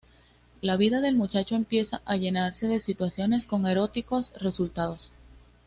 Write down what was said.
La vida del muchacho empieza a llenarse de situaciones con eróticos resultados.